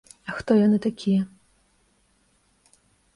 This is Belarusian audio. А хто яны такія?